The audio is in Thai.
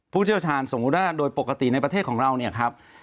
ผู้เชี่ยวฐานสมมุติละโดยปกติในประเทศของเรา